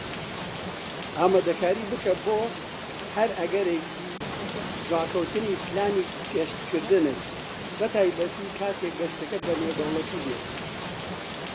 ئامادەکاری بکە بۆ هەر ئەگەرێکی دواکەوتنی پلانی گەشتکردنت، بەتایبەتی کاتیک گەشتەکەت بە نێودەوڵەتی بێت.